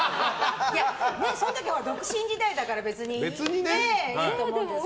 その時は独身時代だから別にいいと思うんですけど。